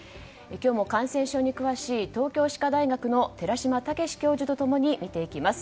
今日も感染症に詳しい東京歯科大学の寺嶋毅教授と見ていきます。